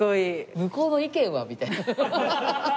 向こうの意見は？みたいな。